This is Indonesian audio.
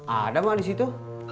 ada mbak disitu